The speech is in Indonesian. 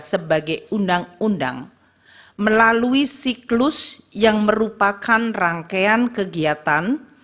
sebagai undang undang melalui siklus yang merupakan rangkaian kegiatan